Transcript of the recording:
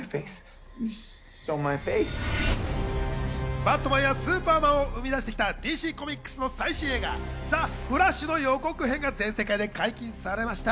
『バットマン』や『スーパーマン』を生み出してきたＤＣコミックスの最新映画『ザ・フラッシュ』の予告編が全世界で解禁されました。